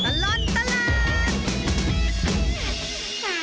ช่วงตลอดตลาด